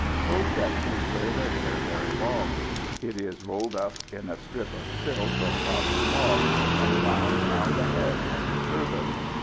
Both sexes wear their hair very long; it is rolled up in a strip of silk or cotton cloth, and wound round the head like a turban.